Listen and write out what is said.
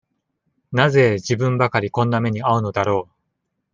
なぜ自分ばかりこんな目にあうのだろう。